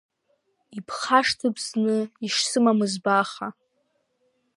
Ибхашҭып зны ишсымамыз баха.